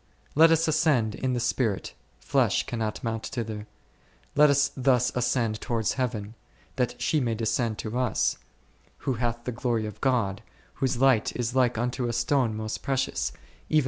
Let us ascend in the spirit, flesh cannot mount thither. Let us thus ascend towards Heaven, that she may descend to us, who hath the glory of God, whose light is like unto a stone most precious, even like r Cant.